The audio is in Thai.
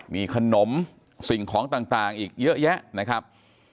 มีขนมสิ่งของต่างอีกเยอะแยะนะครับ